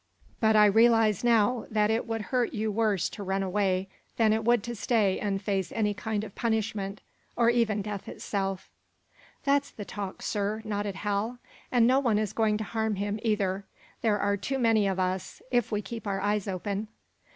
But I realize, now, that it would hurt you worse to run away than it would to stay and face any kind of punishment or even death itself." "That's the talk, sir," nodded Hal. "And no one is going to harm him, either. There are too many of us if we keep our eyes open."